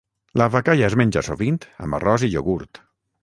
L'aavakaaya es menja sovint amb arròs i iogurt.